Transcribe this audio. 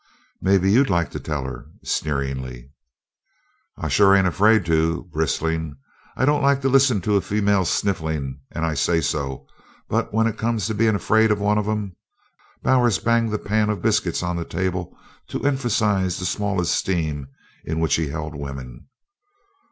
"Maybe you'd like to tell her," sneeringly. "I shore ain't afraid to!" bristling. "I don't like to listen to a female's snifflin', and I say so, but when it comes to bein' afraid of one of 'em " Bowers banged the pan of biscuits on the table to emphasize the small esteem in which he held women.